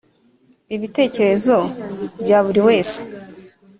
ibitekerezo bya buri wese